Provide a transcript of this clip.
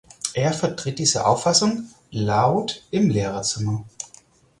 Er vertritt diese Auffassung laut im Lehrerzimmer.